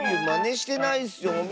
まねしてないッスよ。